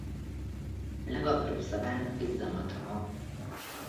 Legapróbb szavának is zamata van.